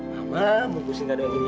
mama bukusin kado yang ini